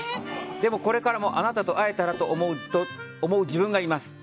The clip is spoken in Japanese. でも、これからもあなたと会えたらと思う自分がいます。